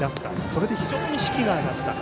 それで非常に士気が上がった。